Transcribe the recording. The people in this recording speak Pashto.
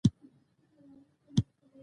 دا اساسي مقولې دي چې تمدن جوړوي.